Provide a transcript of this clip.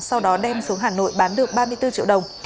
sau đó đem xuống hà nội bán được ba mươi bốn triệu đồng